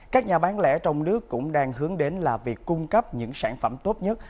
các nhà bán lẻ trong nước cũng đang hướng đến là việc cung cấp những sản phẩm tốt nhất